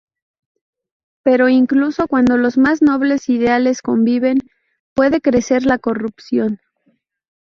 Pero incluso cuando los más nobles ideales conviven, puede crecer la corrupción.